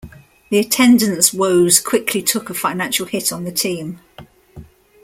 The attendance woes quickly took a financial hit on the team.